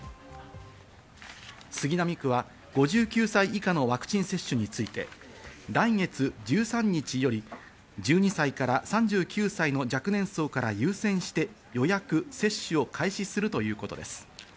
杉並区は５９歳以下のワクチン接種について、来月１３日より１２歳から３９歳の若年層から優先して、予約・接種を開始するということです。